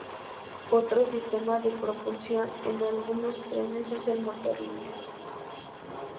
Otro sistema de propulsión en algunos trenes es el motor lineal.